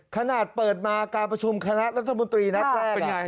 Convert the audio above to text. ขนาดเปิดมาการประชุมคณะรัฐมนตรีนัดแรก